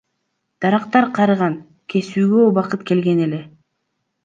Дарактар карыган, кесүүгө убакыт келген эле.